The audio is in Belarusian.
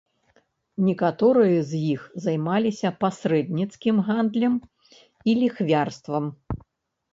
Некаторыя з іх займаліся пасрэдніцкім гандлем і ліхвярствам.